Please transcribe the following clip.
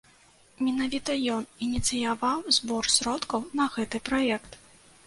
Менавіта ён ініцыяваў збор сродкаў на гэты праект.